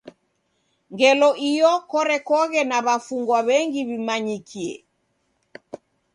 Ngelo iyo korekoghe na w'afungwa w'engi w'imanyikie.